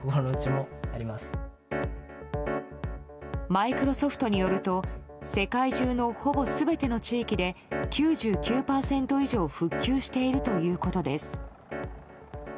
マイクロソフトによると世界中のほぼ全ての地域で９９％以上復旧しているということです。